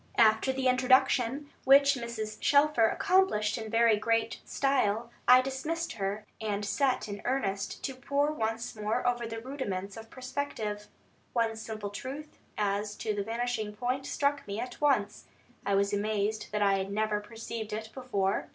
After the introduction, which Mrs. Shelfer accomplished in very great style, I dismissed her, and set to in earnest to pore once more over the rudiments of perspective. One simple truth as to the vanishing point struck me at once. I was amazed that I had never perceived it before.